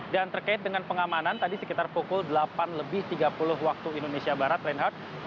dan terkait dengan pengamanan tadi sekitar pukul delapan lebih tiga puluh waktu indonesia barat renhardt